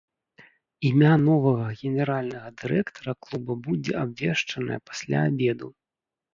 Імя новага генеральнага дырэктара клуба будзе абвешчанае пасля абеду.